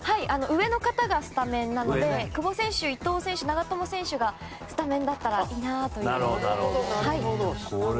上の方がスタメンなので久保選手、伊藤選手、長友選手がスタメンならいいなと。